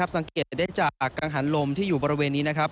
สังเกตได้จากกางหันลมที่อยู่บริเวณนี้